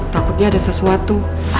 takutnya ada sesuatu